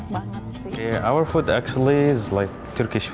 makanan kita sebenarnya seperti makanan turki